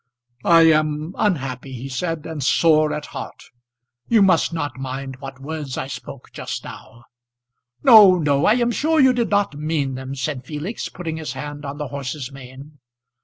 "I am unhappy," he said, "and sore at heart. You must not mind what words I spoke just now." "No, no; I am sure you did not mean them," said Felix, putting his hand on the horse's mane.